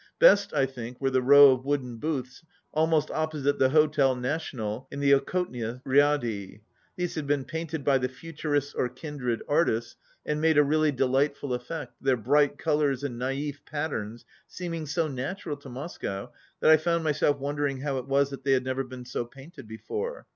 Best, I think, were the row of wooden booths al most opposite the Hotel National in the Okhotnia Ryadi. These had been painted by the futurists or kindred artists, and made a really delightful effect, their bright colours and naif patterns seem ing so natural to Moscow that I found myself wondering how it was that they had never been so painted before.